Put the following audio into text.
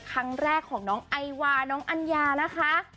ครั้งแรกของน้องไอวาน้องอัญญานะคะ